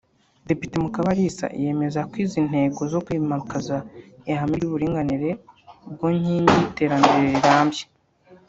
Depite Mukabalisa yemeza ko izi ntego zo kwimakaza ihame ry’uburinganire bwo nkingi y’iterambere rirambye